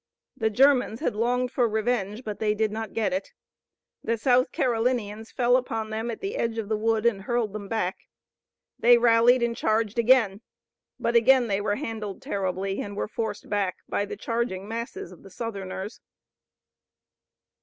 The Germans had longed for revenge, but they did not get it. The South Carolinians fell upon them at the edge of the wood and hurled them back. They rallied, and charged again, but again they were handled terribly, and were forced back by the charging masses of the Southerners.